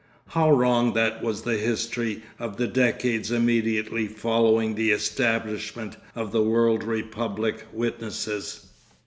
How wrong that was the history of the decades immediately following the establishment of the world republic witnesses.